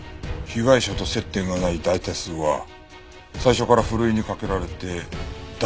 被害者と接点がない大多数は最初からふるいにかけられて脱落してしまうわけか。